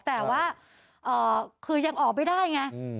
แต่ว่าคือยังออกไม่ได้ไง